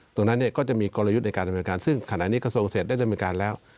ตรงนั้นก็จะมีกลยุทธ์ในการดำเนินการซึ่งขณะนี้กระทรวงเศษได้ดำเนินการแล้ว